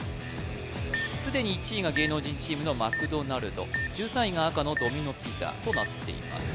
既に１位が芸能人チームのマクドナルド１３位が赤のドミノ・ピザとなっています